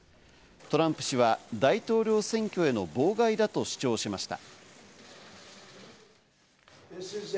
トランプ氏は大統領選挙への妨害だと主張しました。